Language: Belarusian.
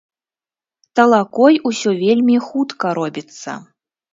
Талакой усё вельмі хутка робіцца.